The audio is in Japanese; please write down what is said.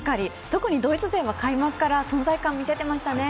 特にドイツ勢は開幕から存在感を見せていましたね。